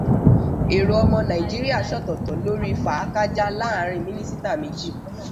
Èrò ọmọ Nàìjíríà sọ̀tọ̀tọ̀ lórí fàákájáa láàárín mínísítà méjì.